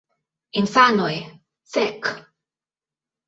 Infanoj: "Fek!"